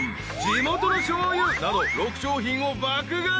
地元のしょうゆなど６商品を爆買い］